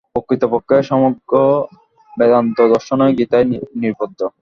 প্রকৃতপক্ষে সমগ্র বেদান্তদর্শনই গীতায় নিবদ্ধ।